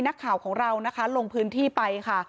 นักข่าวของเรานะคะลงพื้นที่ไปค่ะ